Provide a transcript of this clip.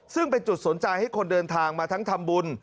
ซึ่งเป็นจุดสนใจให้คนเดินทางมาทั้งทำบุญ